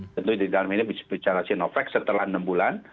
tentu di dalam ini bisa bicara sinovac setelah enam bulan